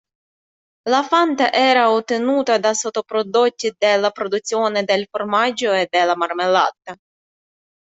La Fanta era ottenuta da sottoprodotti della produzione del formaggio e della marmellata.